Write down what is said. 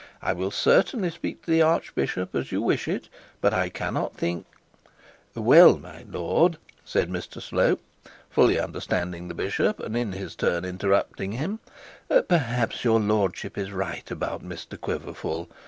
I will certainly speak to the archbishop, as you wish it, but I cannot think ' 'Well, my lord,' said Mr Slope, fully understanding the bishop, and in his turn interrupting him, 'perhaps your lordship is right about Mr Quiverful.